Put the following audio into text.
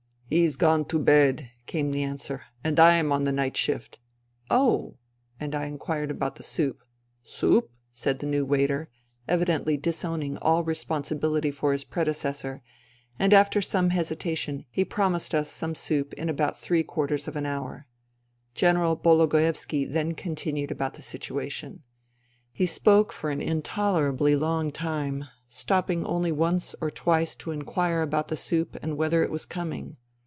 " He has gone to bed," came the answer, " and I am on the night shift." " Oh !" And I inquired about the soup. " Soup ?" said the new waiter, evidently disown ing all responsibility for his predecessor, and after some hesitation he promised us some soup in about three quarters of an hour. General Bologoevski then continued about the situation. He spoke for an intolerably long time, stopping only once or twice to inquire about the soup and whether it was coming.